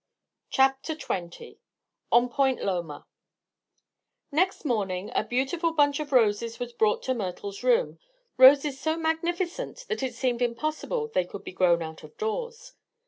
CHAPTER XX ON POINT LOMA Next morning a beautiful bunch of roses was brought to Myrtle's room roses so magnificent that it seemed impossible they could be grown out of doors.